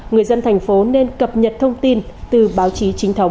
người dân thành phố nên cập nhật thông tin từ báo chí chính thống